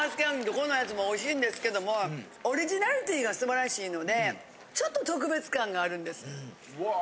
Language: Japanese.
どこのやつもおいしいんですけどオリジナリティーが素晴らしいのでちょっと特別感があるんです。わ。